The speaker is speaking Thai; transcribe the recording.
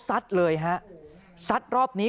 เลยฮะซัดรอบนี้